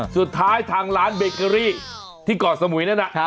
สุดท้ายทางร้านเบเกอรี่ที่เกาะสมุยนั่นน่ะ